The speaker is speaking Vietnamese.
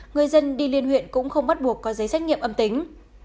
người dân đi liên huyện cũng không bắt buộc có giấy xét nghiệm âm tính